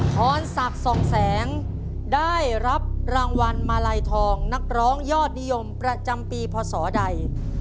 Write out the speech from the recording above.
พรศักดิ์ส่องแสงได้รับรางวัลมาลัยทองนักร้องยอดนิยมประจำปีพศใด